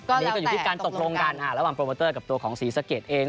ตอนนี้ก็อยู่ที่การตกลงกันระหว่างโปรโมเตอร์กับตัวของศรีสะเกดเอง